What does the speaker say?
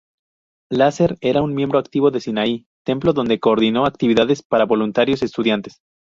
Lesser era un miembro activo de Sinai Templo donde coordinó actividades para voluntarios estudiantes.